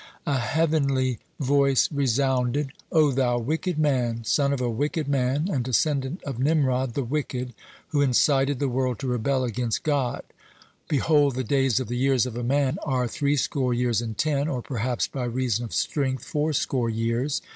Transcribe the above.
(100) A heavenly voice resounded: "O thou wicked man, son of a wicked man, and descendant of Nimrod the wicked, who incited the world to rebel against God! Behold, the days of the years of a man are threescore years and ten, or perhaps by reason of strength fourscore years.